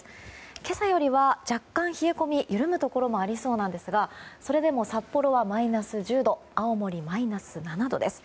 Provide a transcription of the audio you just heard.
今朝よりは若干、冷え込みが緩むところもありそうなんですがそれでも、札幌はマイナス１０度青森、マイナス７度です。